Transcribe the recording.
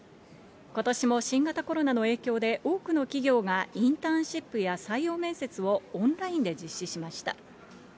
ことしも新型コロナの影響で、多くの企業が、インターンシップや採用面接をオンラインで実施しました。